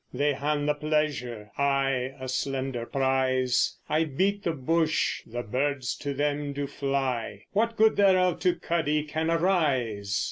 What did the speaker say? They han the pleasure, I a slender prize: I beat the bush, the birds to them do fly: What good thereof to Cuddie can arise?